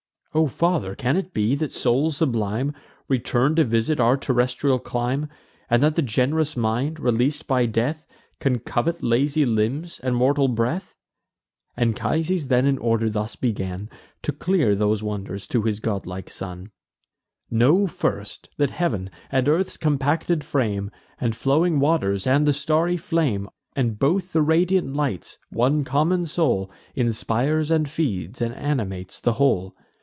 "O father, can it be, that souls sublime Return to visit our terrestrial clime, And that the gen'rous mind, releas'd by death, Can covet lazy limbs and mortal breath?" Anchises then, in order, thus begun To clear those wonders to his godlike son: "Know, first, that heav'n, and earth's compacted frame, And flowing waters, and the starry flame, And both the radiant lights, one common soul Inspires and feeds, and animates the whole.